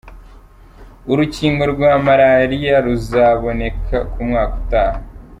Urukingo rwa malariya ruzaboneka mu mwaka Utaha